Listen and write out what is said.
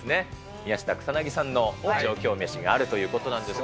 宮下草薙さんの上京メシがあるということなんですが。